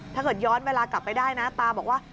ถ้าเกิดย้อนเวลากลับไปได้นะตาบอกว่า